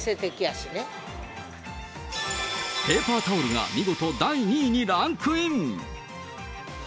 ペーパータオルが見事第２位にランクイン。